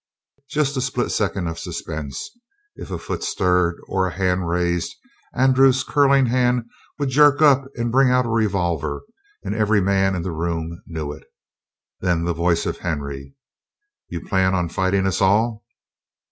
Just a split second of suspense. If a foot stirred, or a hand raised, Andrew's curling hand would jerk up and bring out a revolver, and every man in the room knew it. Then the voice of Henry, "You'd plan on fighting us all?"